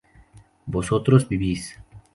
vosotros vivís